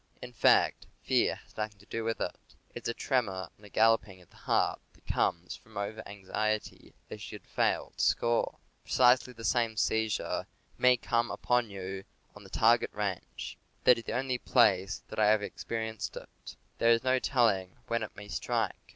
In fact, fear has nothing to do with it. It is a tremor and a galloping of the heart that comes from over anxiety lest you should fail to score. Precisely the same seizure may come upon you on the target range. That is the only place that I ever experienced it. There is no telling when it may strike.